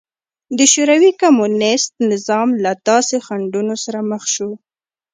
د شوروي کمونېست نظام له داسې خنډونو سره مخ شو